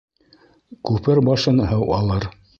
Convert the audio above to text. Күпер башын һыу алыр.